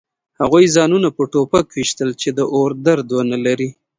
هغوی ځانونه په ټوپک ویشتل چې د اور درد ونلري